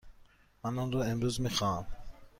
من آن را امروز می خواهم.